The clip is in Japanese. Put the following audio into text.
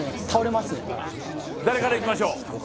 誰からいきましょう？